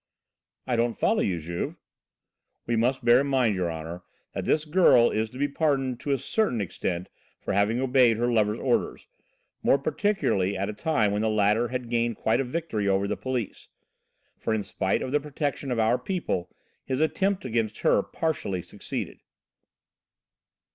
'" "I don't follow you, Juve." "We must bear in mind, your honour, that this girl is to be pardoned to a certain extent for having obeyed her lover's order, more particularly at a time when the latter had gained quite a victory over the police. For in spite of the protection of our people, his attempt against her partially succeeded."